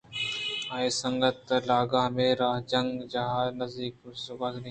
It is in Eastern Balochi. آئی ءِ سنگت لاگ ہمے راہ ءَ جنگ جاہ ءِ نزّیک گوٛزگ ءَاَت